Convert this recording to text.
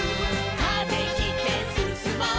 「風切ってすすもう」